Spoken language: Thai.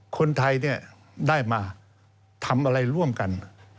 คนไทยเนี่ยได้มาทำอะไรร่วมกัน